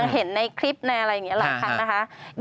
เห็นในคลิปอะไรแบบนี้หลังครั้ง